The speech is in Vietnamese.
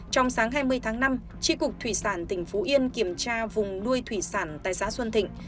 trong sáng hai mươi tháng năm tri cục thủy sản tỉnh phú yên kiểm tra vùng nuôi thủy sản tại xã xuân thịnh